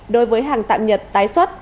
đối với hàng tạm nhập tái xuất